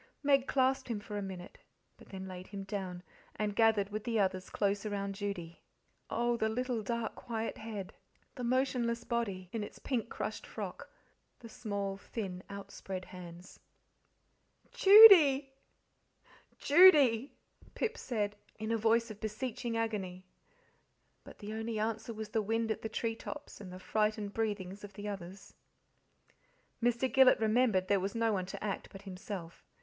Meg clasped him for a minute, but then laid him down, and gathered with the others close around Judy. Oh, the little dark, quiet head, the motionless body, in its pink, crushed frock, the small, thin, outspread hands! "Judy!" Pip said, in a voice of beseeching agony. But the only answer was the wind at the tree tops and the frightened breathings of the others. Mr. Gillet remembered there was no one to act but himself.